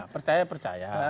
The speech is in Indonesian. percaya itu percaya